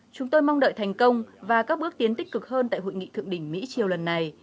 chúng tôi mong đợi thành công và các bước tiến tích cực hơn tại hội nghị thượng đỉnh mỹ triều lần này